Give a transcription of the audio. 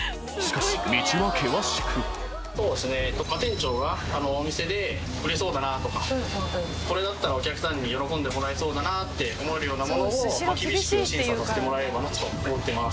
店長はお店で売れそうだなとかこれだったらお客さんに喜んでもらえそうだなって思えるようなものを厳しく審査とかしてもらえればなと思っています。